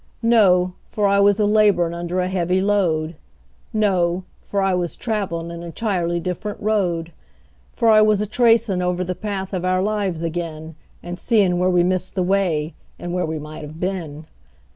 No for I was laborin' under a heavy load; No for I was travelin' an entirely different road; For I was a tracin' over the path of our lives ag'in, And seein' where we missed the way, and where we might have been.